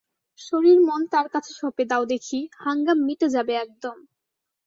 শরীর মন তাঁর কাছে সঁপে দাও দেখি, হাঙ্গাম মিটে যাবে একদম।